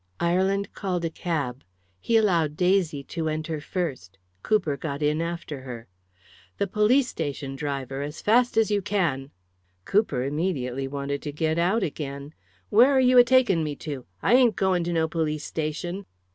Ireland called a cab. He allowed Daisy to enter first. Cooper got in after her. "The police station, driver as fast as you can." Cooper immediately wanted to get out again. "Where are you a taking me to? I ain't going to no police station!"